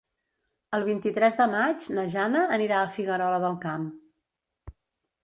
El vint-i-tres de maig na Jana anirà a Figuerola del Camp.